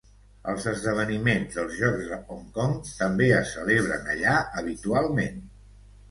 Els esdeveniments dels Jocs de Hong Kong també es celebren allà habitualment.